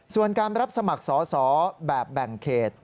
ส่วนการรับสมัครสอสอแบบแบ่งเขต